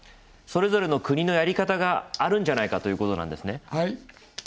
それぞれの国のやり方があるんじゃないかということなんですね。